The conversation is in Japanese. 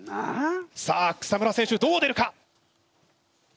さあ草村選手どう出るか？